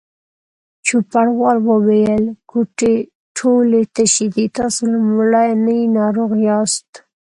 چوپړوال وویل: کوټې ټولې تشې دي، تاسې لومړنی ناروغ یاست.